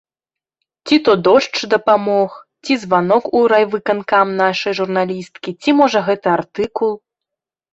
Ці то дождж дапамог, ці званок у райвыканкам нашай журналісткі, ці можа гэты артыкул.